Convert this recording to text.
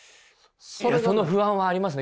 その不安はありますね。